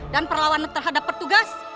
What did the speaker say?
dan perlawanan terhadap petugas